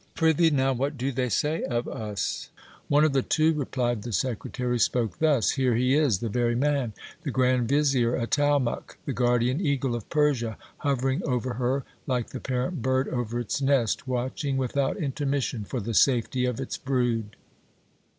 Prithee now, what do they say of us ? One of the two, replied the secretary, spoke thus : Here he is, the very man ; the grand vizier Atalmuc, the guardian eagle of Persia, hovering over her like the parent bird over its nest, watching without intermission for the safety of its brood.